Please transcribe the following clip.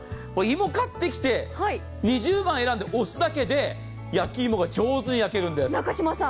芋買ってきて２０番選んで押すだけで、焼き芋が上手に焼けるんです。